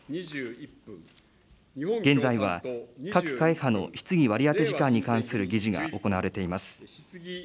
現在は各会派の質疑割り当て時間に関する議事が行われています。